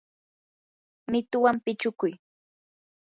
mituwan pichukuy.